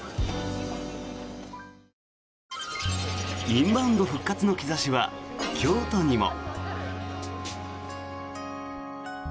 インバウンド復活の兆しは京都にも。